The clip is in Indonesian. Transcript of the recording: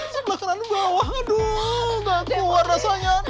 sebelah kanan bawah aduh gak keluar rasanya